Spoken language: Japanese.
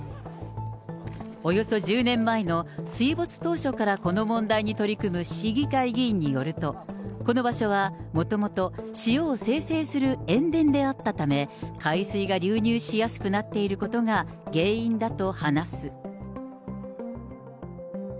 およそ１０年前の水没当初からこの問題に取り組む市議会議員によると、この場所は、もともと塩を生成する塩田であったため、海水が流入しやすくなっていることが原因だと話す。